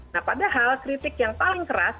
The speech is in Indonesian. nah padahal kritik yang paling keras